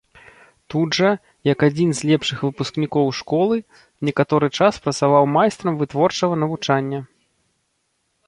Тут жа, як адзін з лепшых выпускнікоў школы, некаторы час працаваў майстрам вытворчага навучання.